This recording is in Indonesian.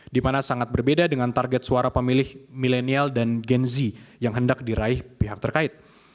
di mana sangat berbeda dengan target suara pemilih milenial dan gen z yang hendak diraih pihak terkait